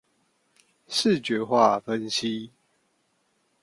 視覺化分析